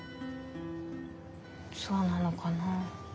そうなのかな？